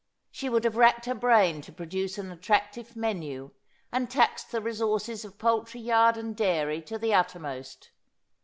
She would have racked her brain to produce an attractive meiiu, and taxed the resources of poultry yard and dairy to the uttermost.